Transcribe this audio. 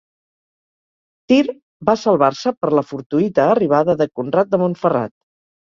Tir va salvar-se per la fortuïta arribada de Conrad de Montferrat.